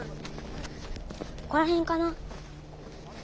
ここら辺かな。